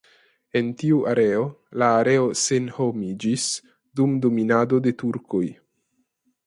En tiu areo la areo senhomiĝis dum dominado de turkoj.